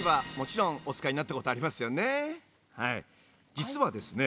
実はですね